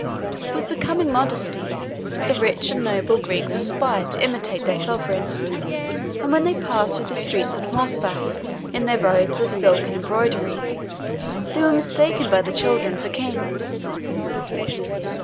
35 With becoming modesty, the rich and noble Greeks aspired to imitate their sovereign, and when they passed through the streets on horseback, in their robes of silk and embroidery, they were mistaken by the children for kings.